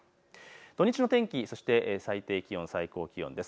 土日の天気、そして最低気温、最高気温です。